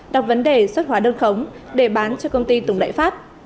đọc vấn đề xuất hóa đơn khống để bán cho công ty tùng đại pháp